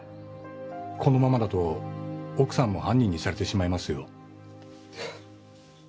このままだと奥さんも犯人にされてしまいますよ。